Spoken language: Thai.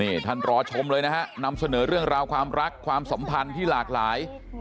นี่ท่านรอชมเลยนะฮะนำเสนอเรื่องราวความรักความสัมพันธ์ที่หลากหลาย